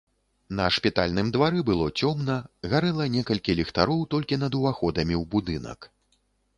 На шпітальным двары было цёмна, гарэла некалькі ліхтароў толькі над уваходамі ў будынак.